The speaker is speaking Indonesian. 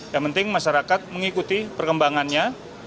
yang penting masyarakat mengikuti perkembangannya